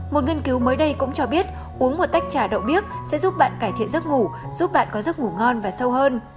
một nghiên cứu mới đây cũng cho biết uống một tách trà đậu điếc sẽ giúp bạn cải thiện giấc ngủ giúp bạn có giấc ngủ ngon và sâu hơn